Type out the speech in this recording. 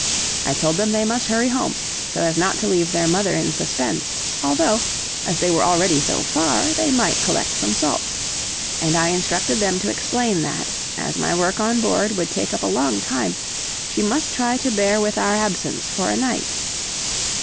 I told them they must hurry home, so as not to leave their mother in suspense, although, as they were already so far, they might collect some salt. And I instructed them to explain that, as my work on board would take up a long time, she must try to bear with our absence for a night.